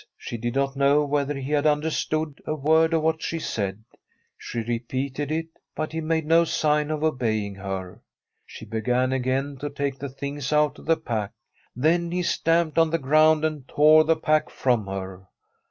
She did not know whether he had under stood a word of what she said. She repeated it, but he made no sign of obeying her. She began again to take the things out of the pack. Then he stamped on the ground and tore the pack from her.